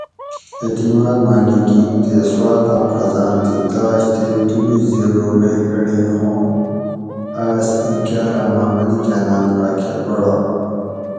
اعتماد ماکہ گِھین تے سواتاۤں خزاۤن تھی داۤش تے دُو بِیش زۤر رُوپئی گۤڑی ھُوں آۤس اِیں کاۤلاۤماۤں ملیکاۤناۤن راۤکہ بڑا